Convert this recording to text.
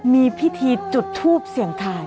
มีพิธีจุดทูปเสี่ยงทาย